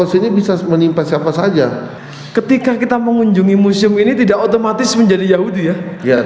spencer limpa siapa saja ketika kita mengunjungi musim ini tidak otomatis menjadi yaudih pentul orang